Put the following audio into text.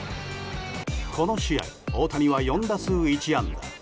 この試合、大谷は４打数１安打。